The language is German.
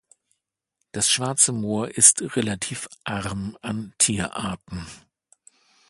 Das Schwarze Moor ist relativ arm an Tierarten.